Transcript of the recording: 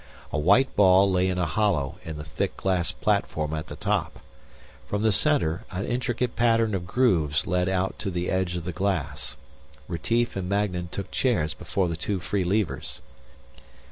A white ball lay in a hollow in the thick glass platform at the top. From the center, an intricate pattern of grooves led out to the edge of the glass. Retief and Magnan took chairs before the two free levers.